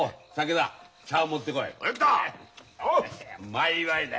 前祝いだ。